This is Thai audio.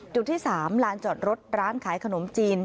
จุดที่๓ลานจอดรถร้านขายขนมจีน